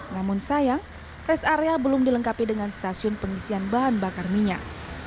namun sayang rest area belum dilengkapi dengan stasiun pengisian bahan bakar minyak